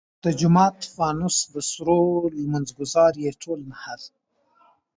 د جومات فانوس د سرو لمونځ ګزار ئې ټول نهر !